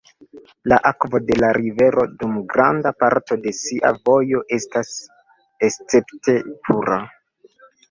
La akvo de la rivero dum granda parto de sia vojo estas escepte pura.